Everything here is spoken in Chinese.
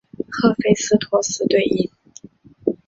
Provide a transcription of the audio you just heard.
赫菲斯托斯对应。